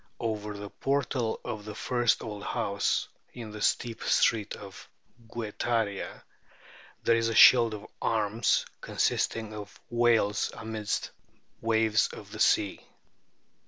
Over the portal of the first old house in the steep street of Guetaria there is a shield of arms consisting of whales amidst waves of the sea.